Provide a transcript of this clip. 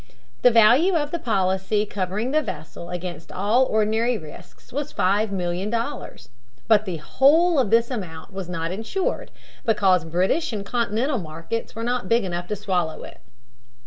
The value of the policy covering the vessel against all ordinary risks was $5,000,000, but the whole of this amount was not insured, because British and Continental markets were not big enough to swallow it.